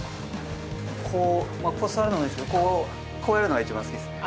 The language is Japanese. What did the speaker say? こう座るのもいいんですけどこうやるのが一番好きですね。